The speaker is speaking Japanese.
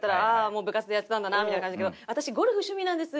もう部活でやってたんだなみたいな感じだけど「私ゴルフ趣味なんです」